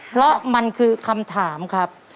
เพราะมันคือคำถามครับ